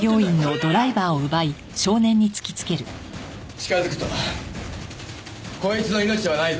近づくとこいつの命はないぞ。